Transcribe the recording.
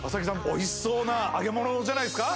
おいしそうな揚げ物じゃないすか？